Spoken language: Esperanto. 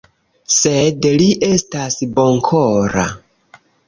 Sed li estas bonkora.